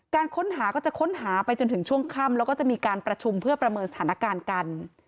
การค้นหาก็จะค้นหาไปจนถึงช่วงค่ำแล้วก็จะมีการประชุมเพื่อประเมินสถานการณ์กัน